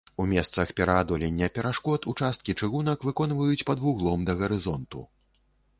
У месцах пераадолення перашкод участкі чыгунак выконваюць пад вуглом да гарызонту.